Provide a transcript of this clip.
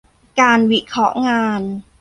การวิเคราะห์งาน